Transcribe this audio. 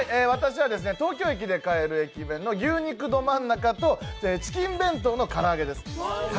私は東京駅で買える駅弁の牛肉どまん中とチキン弁当のからあげです。